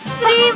tadi seribu si